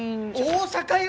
大阪よ！？